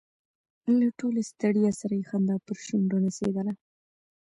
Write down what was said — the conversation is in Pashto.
له ټولې ستړیا سره یې خندا پر شونډو نڅېدله.